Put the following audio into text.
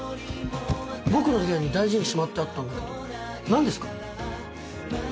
僕の部屋に大事にしまってあったんだけど何ですか？